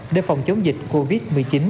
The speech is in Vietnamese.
để phòng chống dịch covid một mươi chín